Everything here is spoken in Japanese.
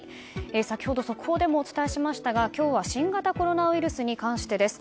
先ほど速報でもお伝えしましたが今日は新型コロナウイルスに関してです。